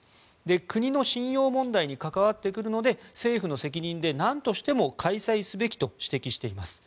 国の信用問題に関わってくるので政府の責任でなんとしても開催すべきと指摘しています。